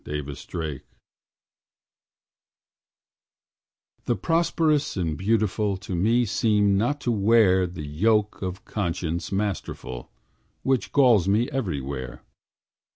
THE PARK The prosperous and beautiful To me seem not to wear The yoke of conscience masterful, Which galls me everywhere.